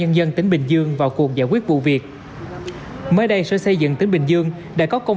dân tỉnh bình dương vào cuộc giải quyết vụ việc mới đây sở xây dựng tỉnh bình dương đã có công